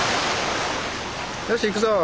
よし行くぞ。